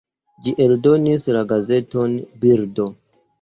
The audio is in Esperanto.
Ĝi eldonis la gazeton "Birdo".